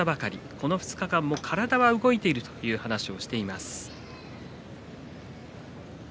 この２日間、体は動いていると話しています。